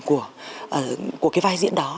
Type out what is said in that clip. của cái vai diễn đó